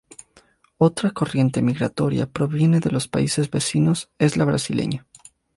Otra corriente migratoria proveniente de países vecinos es la brasileña.